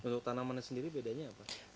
untuk tanamannya sendiri bedanya apa